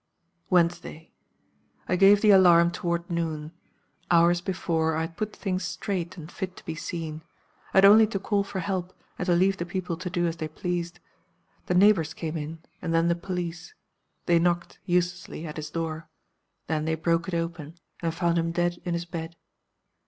"Wednesday. I gave the alarm toward noon. Hours before, I had put things straight and fit to be seen. I had only to call for help, and to leave the people to do as they pleased. The neighbors came in, and then the police. They knocked, uselessly, at his door. Then they broke it open, and found him dead in his bed.